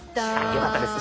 よかったです